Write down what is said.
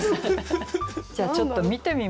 じゃあちょっと見てみましょうか。